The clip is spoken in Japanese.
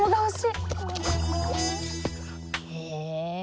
へえ。